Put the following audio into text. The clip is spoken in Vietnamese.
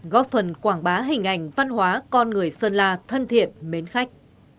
góp phần quảng bá hình ảnh văn hóa con người sơn la thân thiện mến khách